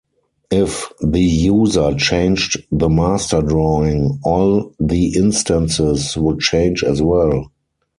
If the user changed the master drawing, all the instances would change as well.